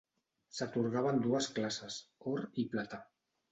S'atorgava en dues classes, Or i Plata.